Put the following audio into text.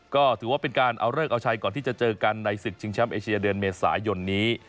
ก็ถือว่าเป็นการเอาเลิกเอาใช้ก่อนที่จะเจอกันในศึกชิงแชมป์เอเชียเดือนเมษายนนี้